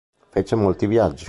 Fece molti viaggi.